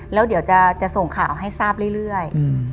แล้วเดี๋ยวจะส่งข่าวให้ทราบเรื่อย